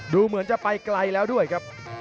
ดูเหมือนจะไปไกลแล้วด้วยครับ